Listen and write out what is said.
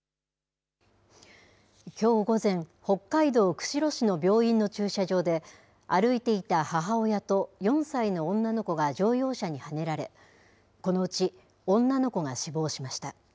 きょう午前、北海道釧路市の病院の駐車場で、歩いていた母親と４歳の女の子が乗用車にはねられ、このうち女の子が死亡しました。